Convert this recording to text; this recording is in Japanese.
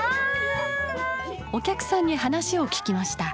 お客さんに話を聞きました。